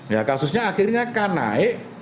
ya kasusnya akhirnya kan naik